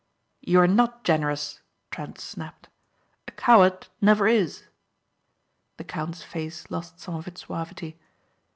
"You are not generous," Trent snapped. "A coward never is." The count's face lost some of its suavity.